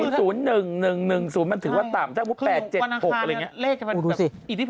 สูงสูงหนึ่งหนึ่งหนึ่งสูงมันถือว่าต่ำถ้าบุ๊กแปดเจ็ดหกอะไรอย่างเงี้ย